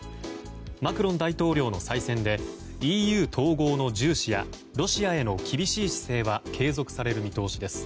マクロン大統領の再選でＥＵ統合の重視やロシアへの厳しい姿勢は継続される見通しです。